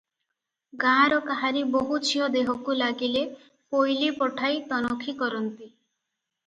ଗାଁର କାହାରି ବୋହୂଝିଅ ଦେହକୁ ଲାଗିଲେ ପୋଇଲି ପଠାଇ ତନଖି କରନ୍ତି ।